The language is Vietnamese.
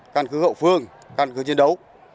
căn cứ hậu phương căn cứ chiến đấu